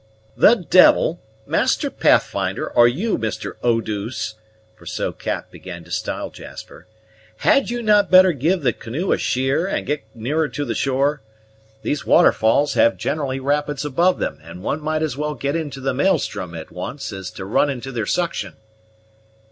"The devil! Master Pathfinder, or you, Mr. Eau douce" (for so Cap began to style Jasper), "had you not better give the canoe a sheer, and get nearer to the shore? These waterfalls have generally rapids above them, and one might as well get into the Maelstrom at once as to run into their suction."